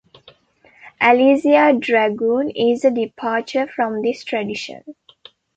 "Alisia Dragoon" is a departure from this tradition.